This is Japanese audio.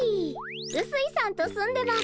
うすいさんと住んでます。